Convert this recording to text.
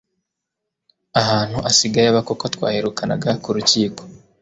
ahantu asigaye aba kuko twaherukanaga kurukiko